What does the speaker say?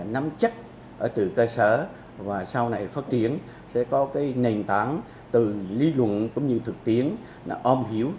nắm chất ở từ cơ sở và sau này phát triển sẽ có cái nền tảng từ lý luận cũng như thực tiến là ôm hiếu